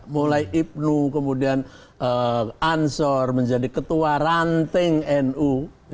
mulai ibnu kemudian ansor menjadi ketua ranting nu